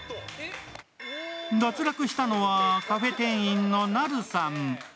脱落したのはカフェ店員のナルさん。